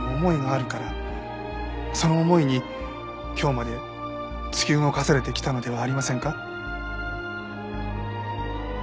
その思いに今日まで突き動かされてきたのではありませんか？